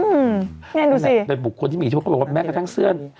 อืมนี่ดูสิเป็นบุคคลที่มีแม่กระทั่งเสื้อน